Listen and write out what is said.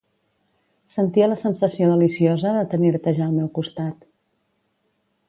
Sentia la sensació deliciosa de tenir-te ja al meu costat.